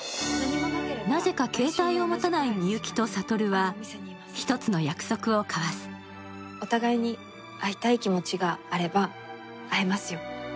なぜか携帯を持たないみゆきと悟は１つの約束を交わす・お互いに会いたい気持ちがあれば会えますよ